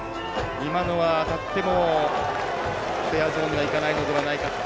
今のは当たってもフェアゾーンにはいかないのではないかと。